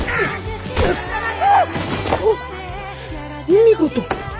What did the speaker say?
お見事。